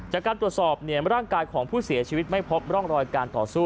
จากการตรวจสอบร่างกายของผู้เสียชีวิตไม่พบร่องรอยการต่อสู้